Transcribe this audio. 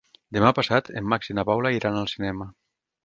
Demà passat en Max i na Paula iran al cinema.